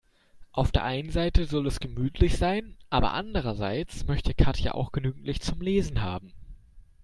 Auf der einen Seite soll es gemütlich sein, aber andererseits möchte Katja auch genügend Licht zum Lesen haben.